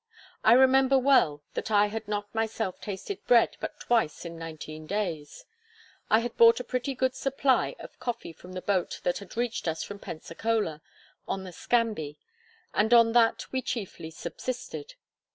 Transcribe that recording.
I remember well, that I had not myself tasted bread but twice in nineteen days. I had bought a pretty good supply of coffee from the boat that had reached us from Pensacola, on the Scamby, and on that we chiefly subsisted.